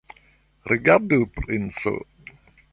Rigardu, princo!